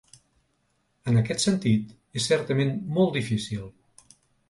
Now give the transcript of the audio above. En aquest sentit, és certament molt difícil.